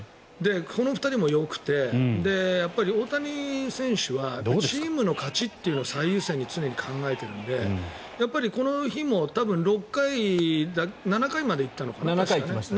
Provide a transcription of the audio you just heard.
この２人もよくてやっぱり大谷選手はチームの勝ちというのを最優先に常に考えているのでこの日も多分７回まで行ったのかな。